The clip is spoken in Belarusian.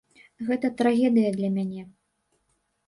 Гэта трагедыя для мяне.